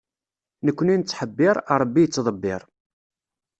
Nekni nettḥebbiṛ, Ṛebbi ittḍebbir.